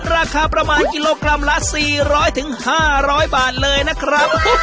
ราคาประมาณกิโลกรัมละ๔๐๐๕๐๐บาทเลยนะครับ